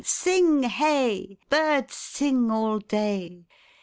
Sing hey! Birds sing All day.